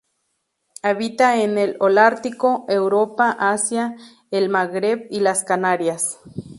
Habita en el holártico: Europa, Asia, el Magreb y las Canarias.